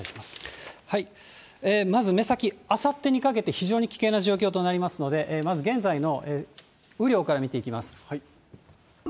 まず、目先、あさってにかけて非常に危険な状況となりますので、まず現在の雨量から見ていきます。